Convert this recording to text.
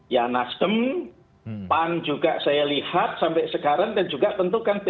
ya nasdem pan juga saya lihat sampai sekarang dan juga tentu kan p tiga